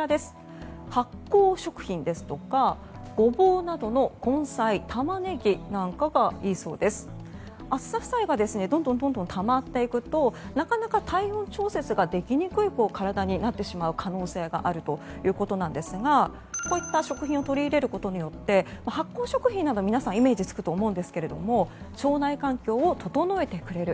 発酵食品ですとかゴボウなどの根菜タマネギなんかがいいそうで、暑さ負債がどんどんたまっていくとなかなか体温調節ができにくい体になってしまう可能性があるということなんですがこういった食品を取り入れることによって発酵食品は皆さんイメージがつくと思いますが腸内環境を整えてくれる。